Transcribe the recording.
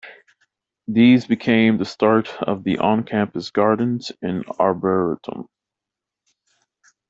These became the start of the on-campus gardens and arboretum.